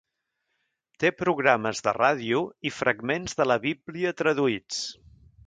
Té programes de ràdio i fragments de la bíblia traduïts.